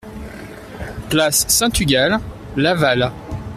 Place Saint-Tugal, Laval